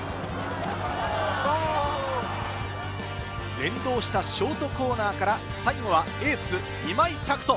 連動したショートコーナーから最後はエース・今井拓人。